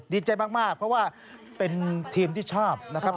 ดีใจมากเพราะว่าเป็นทีมที่ชอบนะครับ